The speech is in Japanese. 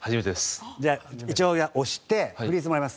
じゃあ一応押してフリーズもらいます。